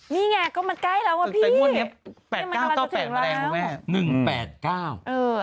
นี่ไงก็มาใกล้แล้วอะพี่แต่ว่านี้๘๙ก็ถึงแล้ว